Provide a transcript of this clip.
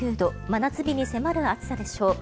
真夏日に迫る暑さでしょう。